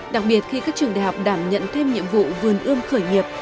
đặc biệt khi các trường đại học đảm nhận thêm nhiệm vụ vườn ươm khởi nghiệp